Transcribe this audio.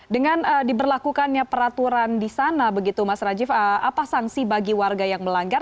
dengan diberlakukannya peraturan di sana begitu mas rajiv apa sanksi bagi warga yang melanggar